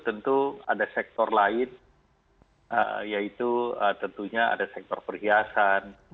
tentu ada sektor lain yaitu tentunya ada sektor perhiasan